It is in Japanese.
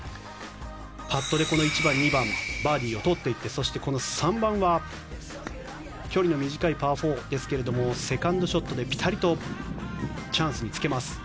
パットで、この１番２番バーディーをとっていってこの３番は距離の短いパー４ですがセカンドショットでぴたりとチャンスにつけます。